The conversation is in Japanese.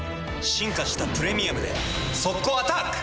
進化した「プレミアム」で速攻アタック！